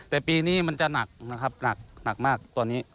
แต่ปีนี้มันจะหนักนะครับหนักมากตอนนี้